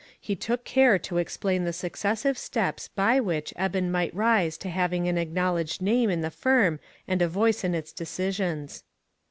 He took care to explain the successive steps by which Eben might rise to having an acknowledged name in the firm and a voice in, its decisions.